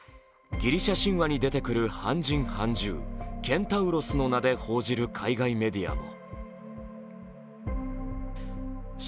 ギリシャ神話に出てくる半身半獣ケンタウロスの名で報じる海外メディアも。